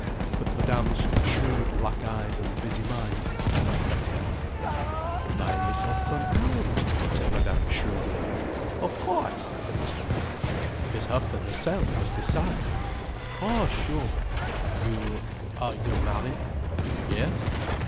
But Madame's shrewd black eyes and busy mind did not let him off. "Buy Miss Houghton out—" said Madame shrewdly. "Of cauce," said Mr. May. "Miss Houghton herself must decide." "Oh sure—! You—are you married?" "Yes."